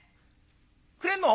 くれんの？